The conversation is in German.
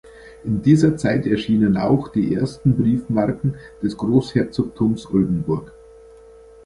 In dieser Zeit erschienen auch die ersten Briefmarken des Großherzogtums Oldenburg.